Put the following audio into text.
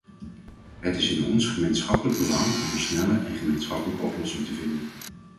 Het is in ons gemeenschappelijk belang om een snelle en gemeenschappelijke oplossing te vinden.